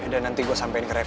yaudah nanti gue sampein ke reva